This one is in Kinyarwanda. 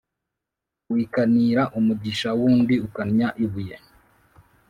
Wikanira umugisha w’undi ukannya ibuye.